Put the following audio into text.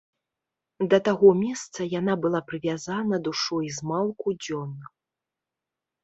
Да таго месца яна была прывязана душой змалку дзён.